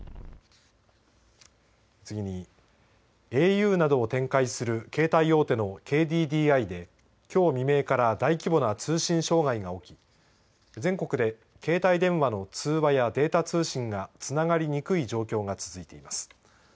次にａｕなどを展開する携帯大手のＫＤＤＩできょう未明から大規模な通信障害が起き全国で携帯電話の通話やデータ通信がつながりにくい状況が続いています。